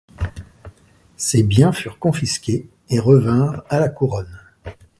Ses biens furent confisqués et revinrent à la Couronne.